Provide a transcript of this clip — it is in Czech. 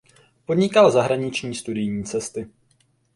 Podnikal zahraniční studijní cesty.